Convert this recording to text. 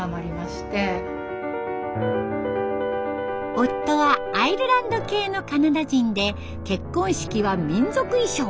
夫はアイルランド系のカナダ人で結婚式は民族衣装。